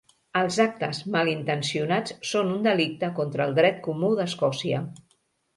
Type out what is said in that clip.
Els actes malintencionats són un delicte contra el dret comú d'Escòcia.